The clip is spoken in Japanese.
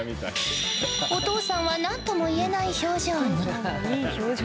お父さんは何ともいえない表情に。